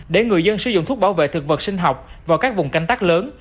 để người dân sử dụng thuốc bảo vệ thực vật sinh học vào các vùng canh tác lớn